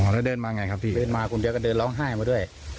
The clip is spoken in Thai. แล้วเดินมาไงครับพี่เดินมาคนเดียวก็เดินร้องไห้มาด้วย